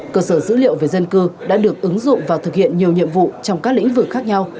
cơ sở dữ liệu về dân cư đã được ứng dụng và thực hiện nhiều nhiệm vụ trong các lĩnh vực khác nhau